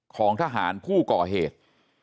ของทหารผู้ก่อเหตุ